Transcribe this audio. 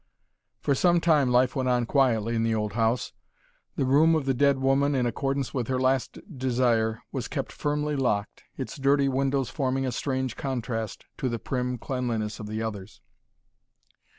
For some time life went on quietly in the old house. The room of the dead woman, in accordance with her last desire, was kept firmly locked, its dirty windows forming a strange contrast to the prim cleanliness of the others.